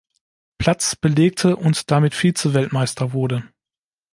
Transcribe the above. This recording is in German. Platz belegte und damit Vize-Weltmeister wurde.